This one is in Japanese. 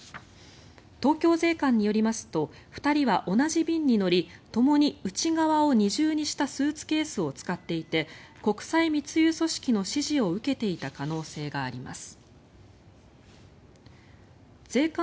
東京税関によりますと２人は同じ便に乗りともに内側を二重にしたスーツケースを使っていて国際密輸組織の指示を受けていた可能性があります。